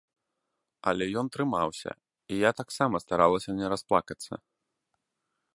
Але ён трымаўся, і я таксама старалася не расплакацца.